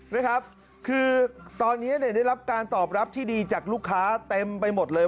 นะครับคือตอนนี้เนี่ยได้รับการตอบรับที่ดีจากลูกค้าเต็มไปหมดเลย